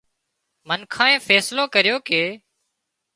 منکانئين فيصلو ڪريو ڪي